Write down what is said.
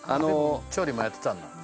調理もやってたんだ。